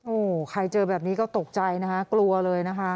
โอ้โหใครเจอแบบนี้ก็ตกใจนะคะกลัวเลยนะคะ